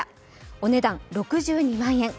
お値段６２万円。